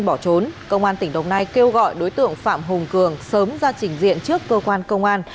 bỏ trốn công an tỉnh đồng nai kêu gọi đối tượng phạm hùng cường sớm ra trình diện trước cơ quan công an